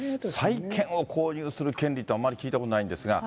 債券を購入する権利ってあんまり聞いたことがないんですが。